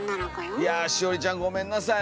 いや栞ちゃんごめんなさい